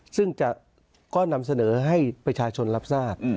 ซึ่งก็นำเสนอให้ประชาชนรับทราบ